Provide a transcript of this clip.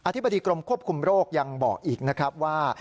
ธิบดีกรมควบคุมโรคยังบอกอีกนะครับว่า